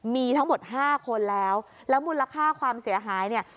มีทั้งหมดห้าคนแล้วแล้วมูลค่าความเสียหายเนี่ย